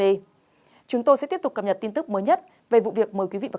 hãy đăng ký kênh để nhận thông tin mới nhất về vụ việc